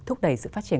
thúc đẩy sự phát triển